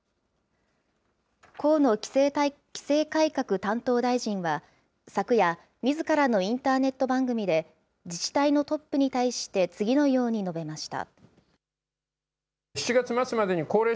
河野規制改革担当大臣は、昨夜、みずからのインターネット番組で、自治体のトップに対して次のように述べました。